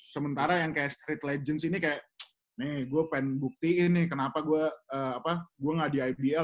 sementara yang kayak street legends ini kayak nih gue pengen buktiin nih kenapa gue gak di ibl